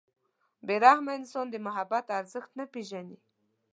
• بې رحمه انسان د محبت ارزښت نه پېژني.